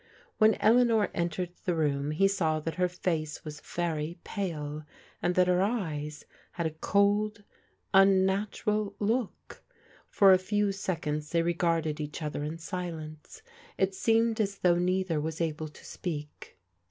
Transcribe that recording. When Eleanor entered the room he saw that her face was very pale, and that her eyes had a cold, unnatural look. For a few seconds they regarded each other in silence. It seemed as though neither was able to speak.